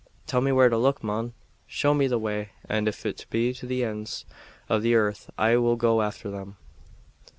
Tell me where to look, mon show me the way; and if it be to the ends o' the airth I will go after them."